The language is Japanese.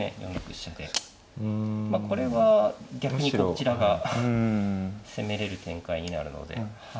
まあこれは逆にこちらが攻めれる展開になるので。